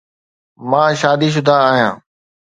مان شادي شده آهيان.